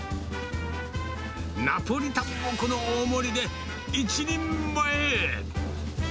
ナポリタンもこの大盛りで１人前。